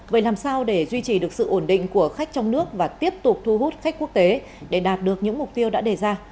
vậy làm sao để duy trì được sự ổn định của khách trong nước và tiếp tục thu hút khách quốc tế để đạt được những mục tiêu đã đề ra